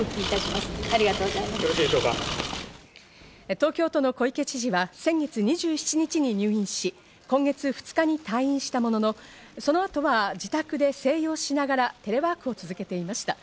東京都の小池知事は先月２７日に入院し、今月２日に退院したものの、その後は自宅で静養しながらテレワークを続けていました。